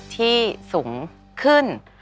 ที่สูงขึ้น